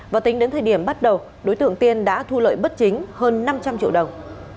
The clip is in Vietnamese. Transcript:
và tính đến thời điểm bắt đầu đối tượng tiên đã thu lợi bất chính hơn năm trăm linh triệu đồng